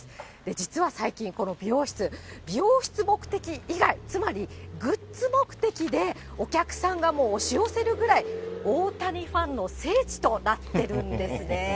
実は最近、この美容室、美容室目的以外、つまりグッズ目的でお客さんがもう、押し寄せるぐらい、大谷ファンの聖地となってるんですね。